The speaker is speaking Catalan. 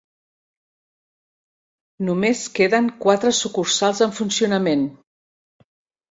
Només queden quatre sucursals en funcionament.